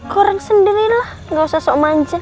goreng sendiri lah gak usah sok manjat